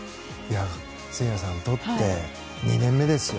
誠也さんにとって２年目ですよ。